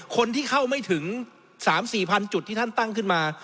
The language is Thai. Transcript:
คนที่เข้าไม่ถึง๓๔พันจุดที่ท่านตั้งขึ้นมา